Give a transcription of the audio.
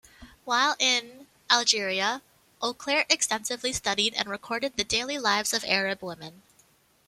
While in Algeria, Auclert extensively studied and recorded the daily lives of Arab women.